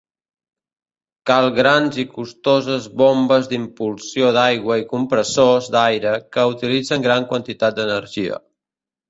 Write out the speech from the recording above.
Cal grans i costoses bombes d'impulsió d'aigua i compressors d'aire que utilitzen gran quantitat d'energia.